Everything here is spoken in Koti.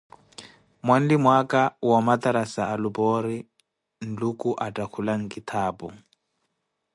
mwanlimo aka wa omatarasa alupa yoori Nluuku attakula nkitaapu.